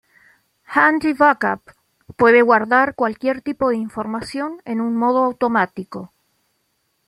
Handy Backup puede guardar cualquier tipo de información en un modo automático.